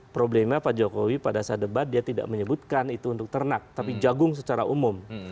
problemnya pak jokowi pada saat debat dia tidak menyebutkan itu untuk ternak tapi jagung secara umum